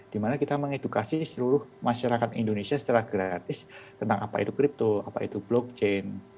dimana kita mengedukasi seluruh masyarakat indonesia secara gratis tentang apa itu kripto apa itu blockchain